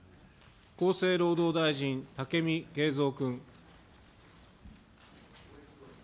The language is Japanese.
厚生労働大臣、武見敬三君。